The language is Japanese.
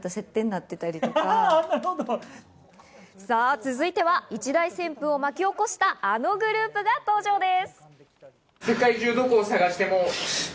続いては一大旋風を巻き起こした、あのグループが登場です。